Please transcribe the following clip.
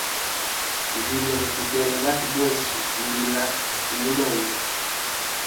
Vilye gututele batwe bose mbila tumulonde.